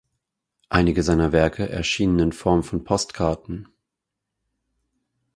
Einige seiner Werke erschienen in Form von Postkarten.